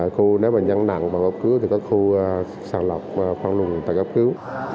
khu nếu mà nhăn nặng bằng ấp cứu thì có khu sang lọc phân luồn tại ấp cứu